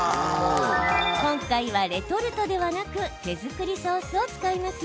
今回はレトルトではなく手作りソースを使いますよ。